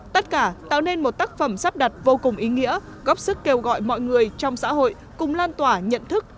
tất cả tạo nên một tác phẩm sắp đặt vô cùng ý nghĩa góp sức kêu gọi mọi người trong xã hội cùng lan tỏa nhận thức